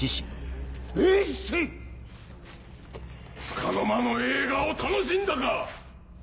つかの間の栄華を楽しんだか！